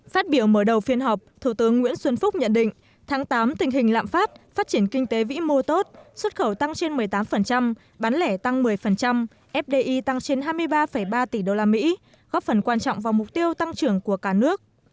phát biểu mở đầu phiên họp thủ tướng nguyễn xuân phúc nhận định tháng tám tình hình lạm phát phát triển kinh tế vĩ mô tốt xuất khẩu tăng trên một mươi tám bán lẻ tăng một mươi fdi tăng trên hai mươi ba ba tỷ usd góp phần quan trọng vào mục tiêu tăng trưởng của cả nước